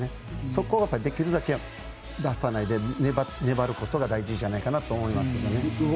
そこはできるだけ出さないで粘ることが大事じゃないかなと思います。